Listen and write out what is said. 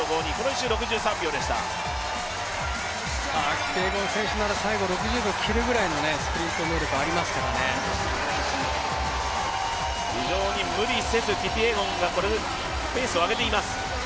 キピエゴン選手なら最後６０秒切るぐらいのスプリント能力ありますからね非常に無理せず、キピエゴンがペースを上げています。